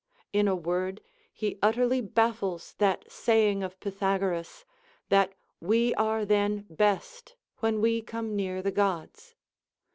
In a word, he utterly bafiles that saying of Pythagoras, that we are then best when we come near the Gods.